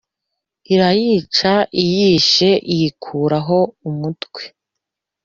irayica, iyishe, ikuraho umutwe,